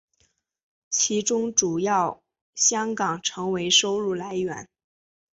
其中主要香港成为收入来源。